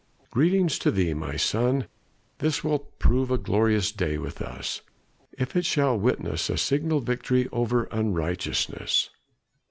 Greetings to thee, my son. This will prove a glorious day with us, if it shall witness a signal victory over unrighteousness."